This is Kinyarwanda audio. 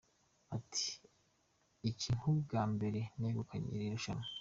Ati" Ni nk’ubwa mbere negukanye iri rushanwa.